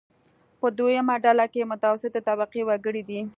په دویمه ډله کې متوسطې طبقې وګړي دي.